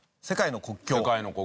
「世界の国境」。